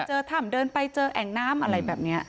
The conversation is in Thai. เจอถ้ำเดินไปเจอแอ่งน้ำอะไรแบบนี้